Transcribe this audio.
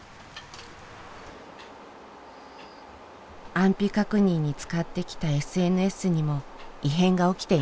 安否確認に使ってきたＳＮＳにも異変が起きていました。